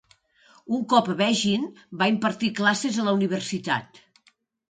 Un cop a Beijing va impartir classes a la universitat.